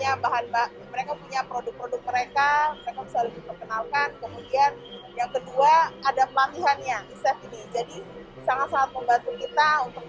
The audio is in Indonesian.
ini bisa memperkenalkan mereka punya produk produk mereka mereka bisa lebih memperkenalkan